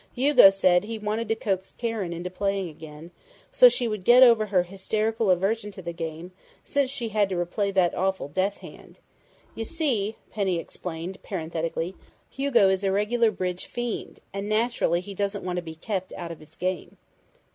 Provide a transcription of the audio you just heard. Hugo said he wanted to coax Karen into playing again, so she would get over her hysterical aversion to the game since she had to replay that awful 'death hand'.... You see," Penny explained parenthetically, "Hugo is a regular bridge fiend, and naturally he doesn't want to be kept out of his game."